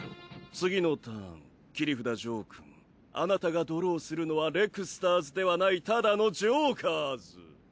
次のターン切札ジョーくんあなたがドローするのはレクスターズではないただのジョーカーズ。